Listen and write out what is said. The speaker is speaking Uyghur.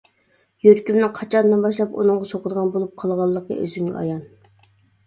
يۈرىكىمنىڭ قاچاندىن باشلاپ ئۇنىڭغا سوقىدىغان بولۇپ قالغانلىقى ئۆزۈمگە ئايان.